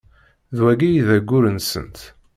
D wagi i d ayyur-nsent.